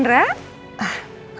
saya sudah menanggung pembicaraan